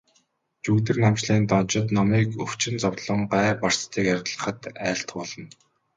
Жүгдэрнамжилын дончид номыг өвчин зовлон, гай барцдыг арилгахад айлтгуулна.